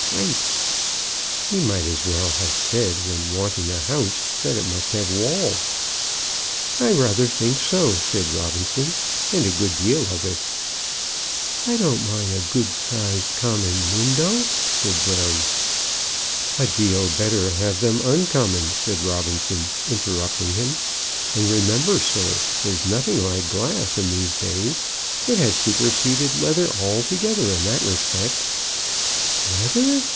Plate! He might as well have said when wanting a house, that it must have walls. "I rather think so," said Robinson; "and a good deal of it." "I don't mind a good sized common window," said Brown. "A deal better have them uncommon," said Robinson, interrupting him. "And remember, sir, there's nothing like glass in these days. It has superseded leather altogether in that respect." "Leather!"